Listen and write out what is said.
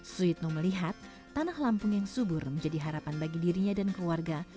suyitno melihat tanah lampung yang subur menjadi harapan bagi dirinya dan keluarga